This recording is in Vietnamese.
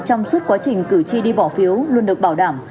trong suốt quá trình cử tri đi bỏ phiếu luôn được bảo đảm